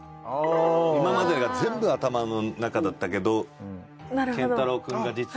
今までが全部頭の中だったけど健太郎くんが実は本当にいてとか